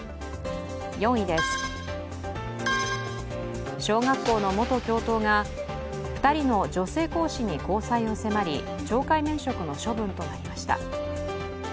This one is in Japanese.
４位です、小学校の元教頭が２人の女性講師に交際を迫り懲戒免職の処分となりました。